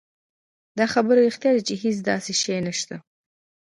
دا خبره رښتيا ده چې هېڅ داسې شی نشته.